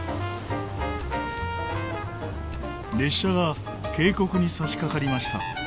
列車が渓谷に差し掛かりました。